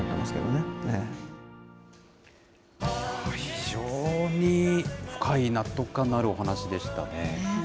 非常に深い納得感のあるお話でしたね。